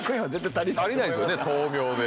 足りないですよね豆苗で。